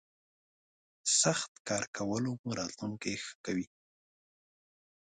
سخت کار کولو مو راتلوونکی ښه کوي.